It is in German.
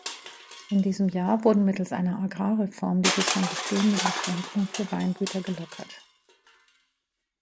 In diesem Jahr wurden mittels einer Agrarreform die bislang bestehenden Beschränkungen für Weingüter gelockert.